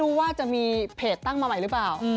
ว่าจะมีเพจตั้งมาใหม่หรือเปล่า